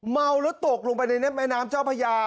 เมาแล้วตกลงไปในแม่น้ำเจ้าพญา